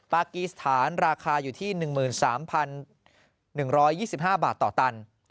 กีสถานราคาอยู่ที่๑๓๑๒๕บาทต่อตัน